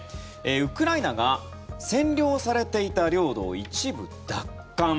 ウクライナが占領されていた領土を一部奪還。